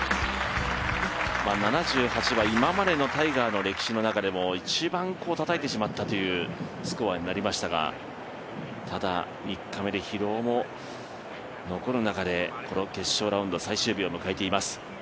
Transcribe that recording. ７８は今までのタイガーの歴史の中でも、一番たたいてしまったというスコアになりましたが、ただ、３日目で疲労も残る中でこの決勝ラウンド、最終日を迎えています。